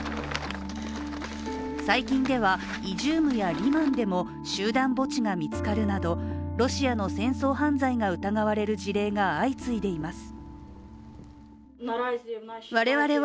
最近ではイジュームやリマンでも集団墓地が見つかるなどロシアの戦争犯罪が疑われる事例が相次いでいます。